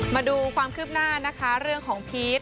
มาดูความคืบหน้านะคะเรื่องของพีช